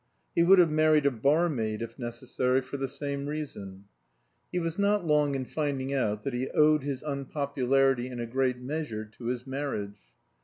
He would have married a barmaid, if necessary, for the same reason. He was not long in finding out that he owed his unpopularity in a great measure to his marriage.